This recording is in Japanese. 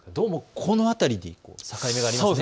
この辺りに境目がありますね。